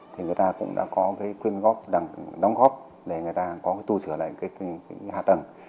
thì người ta cũng đã có cái quyên góp đóng góp để người ta có cái tu sửa lại cái hạ tầng